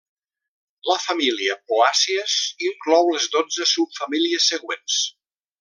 La família Poàcies inclou les dotze subfamílies següents.